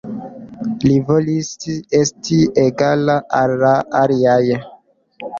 Li volis esti egala al la aliaj.